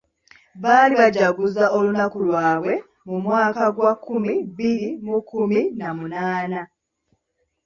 Baali bajaguza olunaku lwabwe mu mwaka gwa nkumi bbiri mu kumi na munaana.